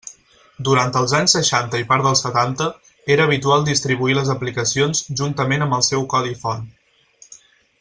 Durant els anys seixanta i part dels setanta era habitual distribuir les aplicacions juntament amb el seu codi font.